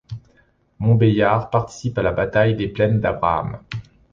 Montbeillard participe à la Bataille des Plaines d'Abraham.